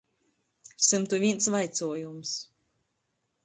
Symtu vīns vaicuojums.